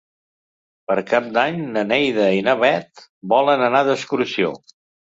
Per Cap d'Any na Neida i na Bet volen anar d'excursió.